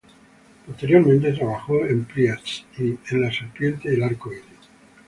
Posteriormente trabajó en "Priest" y en "La serpiente y el arco iris".